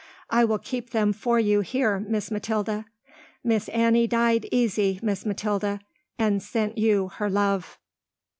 I will keep them for you here Miss Mathilda. Miss Annie died easy, Miss Mathilda, and sent you her love."